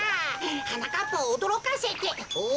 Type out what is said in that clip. はなかっぱをおどろかせておっ？